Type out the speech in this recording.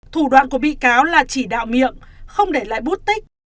thủ đoạn của bị cáo là chỉ đạo miệng không để lại bút tích